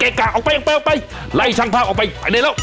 ยังไม่ไปอีกไร้ช่างภาพออกไปไปให้ได้แล้ว